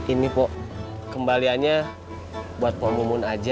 ini po kembaliannya buat po ngumun aja